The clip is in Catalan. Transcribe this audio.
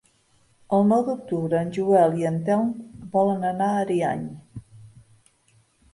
El nou d'octubre en Joel i en Telm volen anar a Ariany.